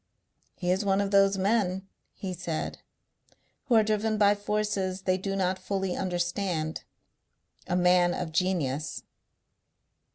"He is one of those men," he said, "who are driven by forces they do not fully understand. A man of genius."